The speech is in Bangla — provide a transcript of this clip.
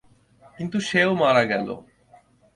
কিন্তু সেও মারা গেল।